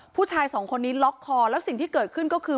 ผู้ชายสองคนนี้ล็อกคอแล้วสิ่งที่เกิดขึ้นก็คือ